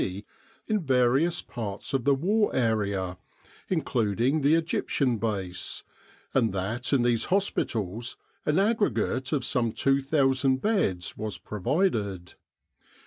C. in various parts of the war area, including the Egyptian Base, and that in these hospitals an aggregate of some 2,000 beds was provided.